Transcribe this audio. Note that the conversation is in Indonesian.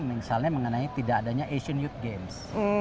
misalnya mengenai tidak adanya asian youth games